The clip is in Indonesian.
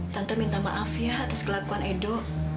tentu minta maaf ya atas kelakuan edo